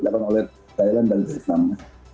dilakukan oleh thailand dan vietnam